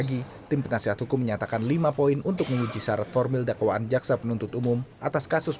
pihak penasihat hukum ahmad dhani berpedoman jika ahmad dhani bukan bersatu